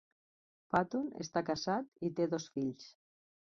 Patton està casat i té dos fills.